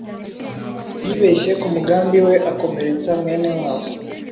Yibeshye kumugambi we akomeretsa mwene wabo